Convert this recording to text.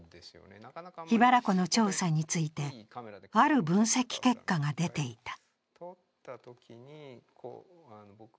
桧原湖の調査について、ある分析結果が出ていた。